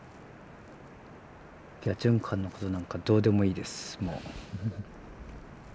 ギャチュンカンのことなんかどうでもいいですもう。